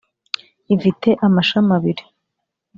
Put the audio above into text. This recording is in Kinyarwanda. Ifite amashami abiri